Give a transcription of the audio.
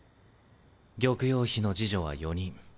玉葉妃の侍女は４人。